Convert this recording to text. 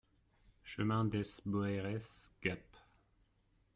Chemin Dès Boeres, Gap